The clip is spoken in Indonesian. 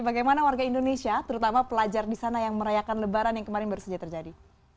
bagaimana warga indonesia terutama pelajar di sana yang merayakan lebaran yang kemarin baru saja terjadi